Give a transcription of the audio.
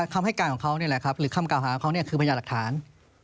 คำให้กลางของเขาหรือคำกล่าวหาของเขาคือพญาหลักฐาน